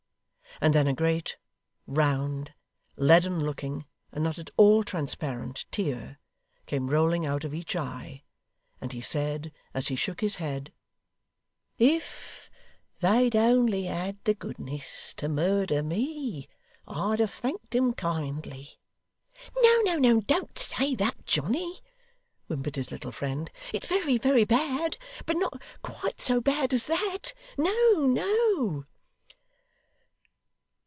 And then a great, round, leaden looking, and not at all transparent tear, came rolling out of each eye, and he said, as he shook his head: 'If they'd only had the goodness to murder me, I'd have thanked 'em kindly.' 'No, no, no, don't say that, Johnny,' whimpered his little friend. 'It's very, very bad, but not quite so bad as that. No, no!